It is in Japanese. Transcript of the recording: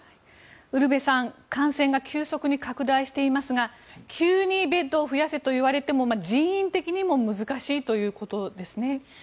ウルヴェさん感染が急速に拡大していますが急にベッドを増やせと言われても人員的にも難しいということですね。